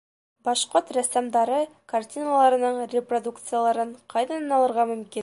Башҡорт рәссамдары картиналарының репродукцияларын ҡайҙан алырга мөмкин?